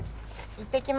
いってきまーす。